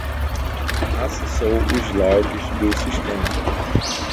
Acessou os logs do sistema.